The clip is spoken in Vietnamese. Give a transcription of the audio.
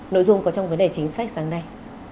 nội dung có trong vấn đề chính sách sáng nay